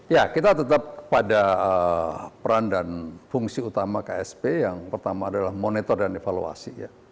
ya kita tetap pada peran dan fungsi utama ksp yang pertama adalah monitor dan evaluasi ya